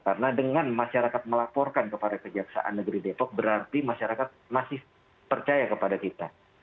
karena dengan masyarakat melaporkan kepada kejaksaan negeri depok berarti masyarakat masih percaya kepada kita